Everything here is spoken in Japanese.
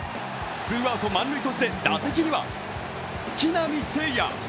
ツーアウト満塁として打席には木浪聖也。